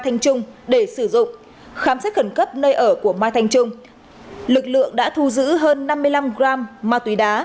thanh trung để sử dụng khám xét khẩn cấp nơi ở của mai thanh trung lực lượng đã thu giữ hơn năm mươi năm gram ma túy đá